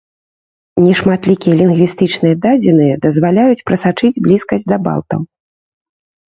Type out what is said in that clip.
Нешматлікія лінгвістычныя дадзеныя дазваляюць прасачыць блізкасць да балтаў.